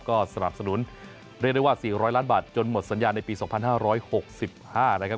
ก็สนับสนุน๔๐๐ล้านบาทจนหมดสัญญาณในปี๒๙๖๕นะครับ